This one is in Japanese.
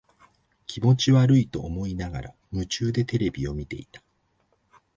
気持ち悪いと思いながら、夢中でテレビを見ていた。